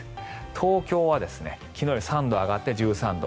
東京は昨日より３度上がって１３度。